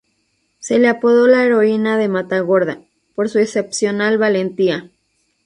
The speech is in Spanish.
Se le apodó la Heroína de Matagorda, por su excepcional valentía.